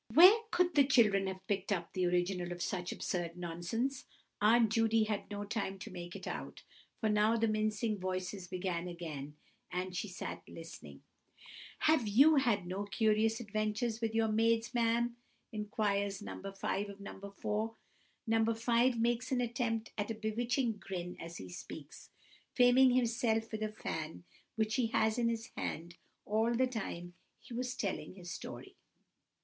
Where could the children have picked up the original of such absurd nonsense? Aunt Judy had no time to make it out, for now the mincing voices began again, and she sat listening. "Have you had no curious adventures with your maids, ma'am?" inquires No. 5 of No. 4. No. 5 makes an attempt at a bewitching grin as he speaks, fanning himself with a fan which he has had in his hand all the time he was telling his story.